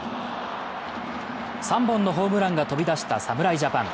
３本のホームランが飛び出した侍ジャパン。